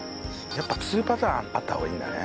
やっぱ２パターンあった方がいいんだね。